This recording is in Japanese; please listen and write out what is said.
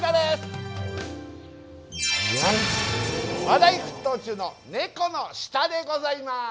話題沸騰中の「ネコの舌」でございます。